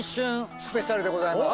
スペシャルでございます。